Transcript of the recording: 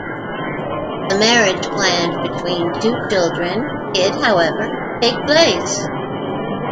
The marriage planned between their two children did, however, take place.